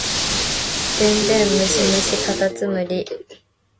電電ムシムシかたつむり